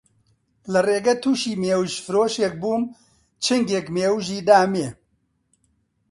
لە ڕێگە تووشی مێوژفرۆشێک بووم، چنگێک مێوژێ دامێ